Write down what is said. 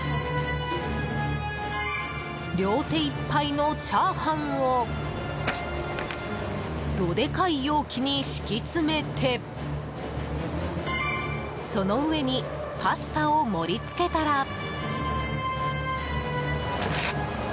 両手いっぱいのチャーハンをどでかい容器に敷き詰めてその上にパスタを盛り付けたら。